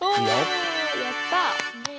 おやった！